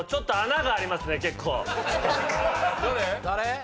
誰？